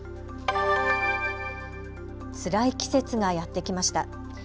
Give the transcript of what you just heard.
つらい季節がやって来ました。